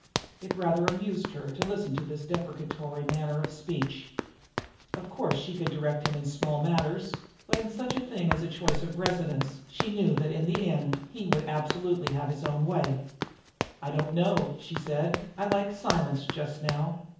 It rather amused her to listen to this deprecatory manner of speech. Of course she could direct him in small matters, but in such a thing as the choice of a residence she knew that in the end he would absolutely have his own way. "I don't know," she said. "I like silence just now.